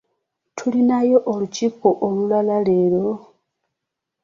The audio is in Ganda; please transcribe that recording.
Tulinayo olukiiko olulala leero?